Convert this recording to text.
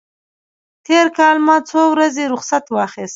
تېر کال ما څو ورځې رخصت واخیست.